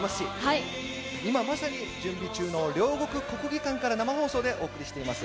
今まさに準備中の両国国技館から生放送でお送りしています。